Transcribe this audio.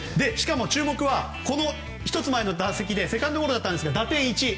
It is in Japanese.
注目は１つ前の打席で、セカンドゴロでしたが打点１。